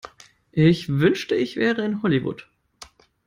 Ich wünschte ich wäre in Hollywood.